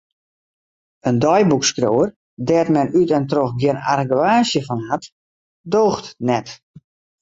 In deiboekskriuwer dêr't men út en troch gjin argewaasje fan hat, doocht net.